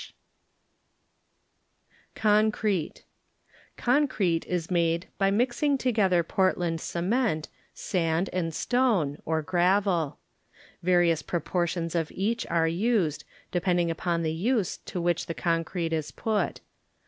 db,Google Concrete Concrete is made by mixing together Portland cement, sand and stone (or gravel). Various proportbns of eacb are used, depending upon the use to which the concrete is put.